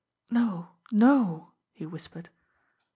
"No, no!" he whispered.